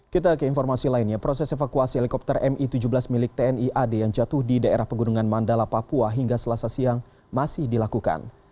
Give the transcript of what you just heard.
kita ke informasi lainnya proses evakuasi helikopter mi tujuh belas milik tni ad yang jatuh di daerah pegunungan mandala papua hingga selasa siang masih dilakukan